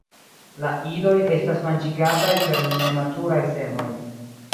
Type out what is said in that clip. La idoj estas manĝigataj per nematuraj semoj.